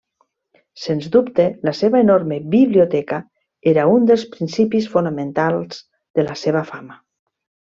Sens dubte la seva enorme biblioteca era un dels principis fonamentals de la seva fama.